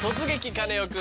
カネオくん」。